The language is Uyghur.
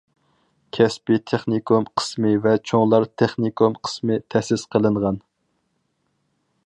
كەسپىي تېخنىكوم قىسمى ۋە چوڭلار تېخنىكوم قىسمى تەسىس قىلىنغان.